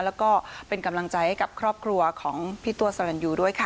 แล้วก็เป็นกำลังใจให้กับครอบครัวของพี่ตัวสรรยูด้วยค่ะ